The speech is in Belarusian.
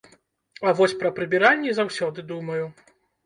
А вось пра прыбіральні заўсёды думаю.